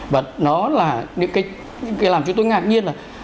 và nó là những cái làm cho tôi ngạc nhiên là